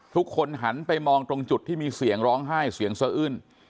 หันไปมองตรงจุดที่มีเสียงร้องไห้เสียงสะอื้น